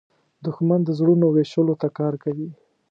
دښمن د زړونو ویشلو ته کار کوي